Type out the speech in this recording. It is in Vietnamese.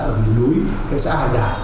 ở miền núi cái xã hải đạc